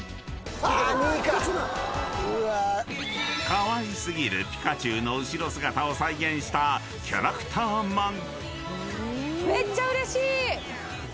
［かわい過ぎるピカチュウの後ろ姿を再現したキャラクターまん］